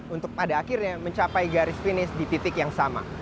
untuk pada akhirnya mencapai garis finish di titik yang sama